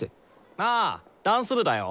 ああダンス部だよ。